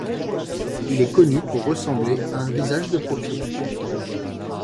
Il est connu pour ressembler à un visage de profil.